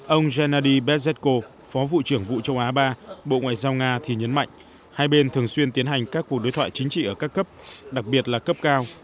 ông gennady bezhetko phó vụ trưởng vụ châu á ba bộ ngoại giao nga thì nhấn mạnh hai bên thường xuyên tiến hành các cuộc đối thoại chính trị ở các cấp đặc biệt là cấp cao